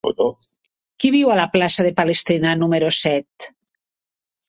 Qui viu a la plaça de Palestina número set?